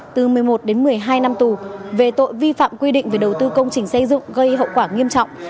từ một mươi một đến một mươi hai năm tù về tội vi phạm quy định về đầu tư công trình xây dựng gây hậu quả nghiêm trọng